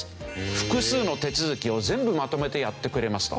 複数の手続きを全部まとめてやってくれますと。